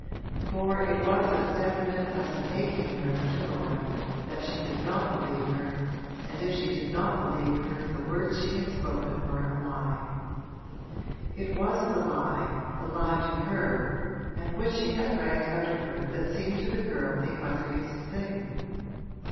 For it was as definite as an aching nerve to Laura that she did not believe her, and if she did not believe her the words she had spoken were a lie. It was the lie, the lie to her and which she had dragged out of her that seemed to the girl the ugliest thing.